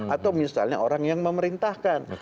atau misalnya orang yang memerintahkan